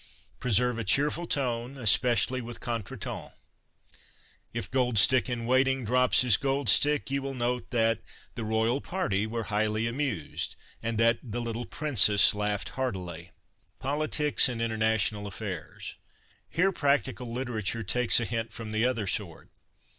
Preserve a cheerful tone, especially with contre temps. If Gold Stick in Waiting droj)s his gold 281 PASTICHE AND PREJUDICE stick, you will note that " the Royal party were highly amused " and that " the little Princess laughed heartily." Politics and International Affairs. — Here prac tical literature takes a hint from the other sort.